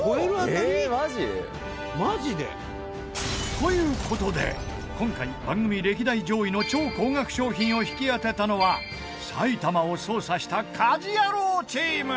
マジで？という事で今回番組歴代上位の超高額商品を引き当てたのは埼玉を捜査した家事ヤロウチーム。